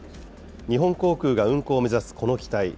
日本航空が運航を目指すこの機体。